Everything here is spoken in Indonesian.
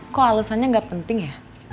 kok alusannya nggak penting ya